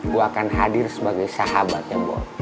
gua akan hadir sebagai sahabatnya boy